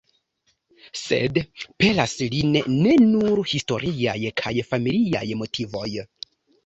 Sed pelas lin ne nur historiaj kaj familiaj motivoj.